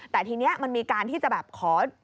แต่ทีนี้มันมีการที่จะแบบขอ